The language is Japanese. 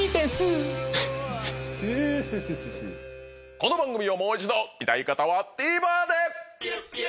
この番組をもう一度見たい方はＴＶｅｒで！